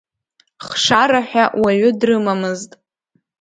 Хшара ҳәа уаҩы дрымамызт.